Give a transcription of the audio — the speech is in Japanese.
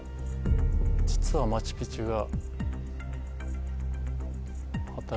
実は「マチュ・ピチュ」が。